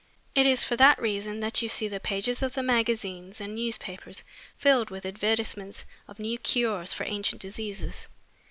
It is for that reason that you see the pages of the magazines and newspapers filled with advertisements of new cures for ancient diseases.